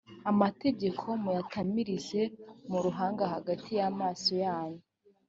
amategeko muyatamirize mu ruhanga hagati y’amaso yanyu.